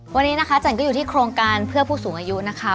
วันนี้นะคะจันก็อยู่ที่โครงการเพื่อผู้สูงอายุนะคะ